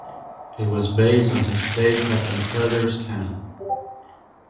It was based on his play Captain Felder's Cannon.